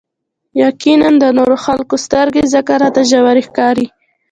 يقيناً د نورو خلکو سترګې ځکه راته ژورې ښکاري.